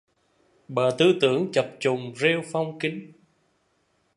Bờ tư tưởng chập chùng rêu phong kín